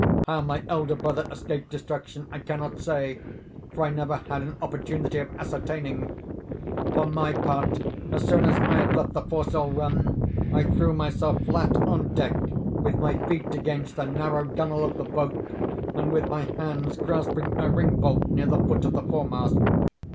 How my elder brother escaped destruction I cannot say, for I never had an opportunity of ascertaining. For my part, as soon as I had let the foresail run, I threw myself flat on deck, with my feet against the narrow gunwale of the bow, and with my hands grasping a ring bolt near the foot of the fore mast.